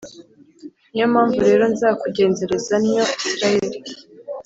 Ni yo mpamvu rero nzakugenzereza ntyo, Israheli,